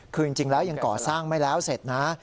คือจริงแล้วยังก่อสร้างไม่แล้วเสร็จนะ